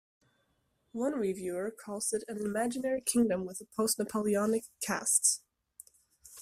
One reviewer calls it "an imaginary kingdom with a post-Napoleonic cast".